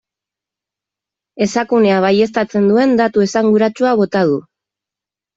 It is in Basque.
Esakunea baieztatzen duen datu esanguratsua bota du.